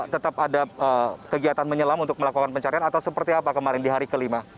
tetap ada kegiatan menyelam untuk melakukan pencarian atau seperti apa kemarin di hari kelima